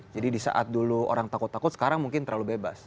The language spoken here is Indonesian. jadi disaat dulu orang takut takut sekarang mungkin terlalu bebas